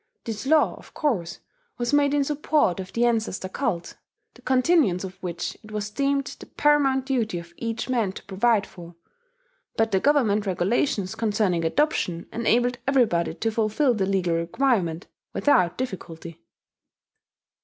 This law, of course, was made in support of the ancestor cult, the continuance of which it was deemed the paramount duty of each man to provide for; but the government regulations concerning adoption enabled everybody to fulfil the legal requirement, without difficulty.